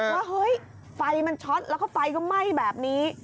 ว่าเฮ้ยไฟมันช็อตแล้วก็ไฟก็ไหม้แบบนี้